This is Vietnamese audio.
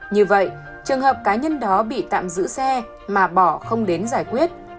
như vậy trường hợp cá nhân đó bị tạm giữ xe mà bỏ không đến giải quyết